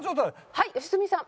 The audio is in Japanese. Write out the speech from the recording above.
はい良純さん。